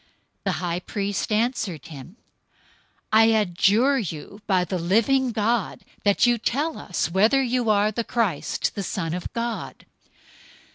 The high priest answered him, "I adjure you by the living God, that you tell us whether you are the Christ, the Son of God."